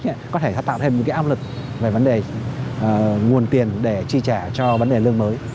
nhưng trong vườn sách có thể tạo thêm những cái áp lực về vấn đề nguồn tiền để chi trả cho vấn đề lương mới